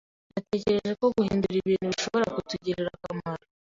Natekereje ko guhindura ibintu bishobora kutugirira akamaro.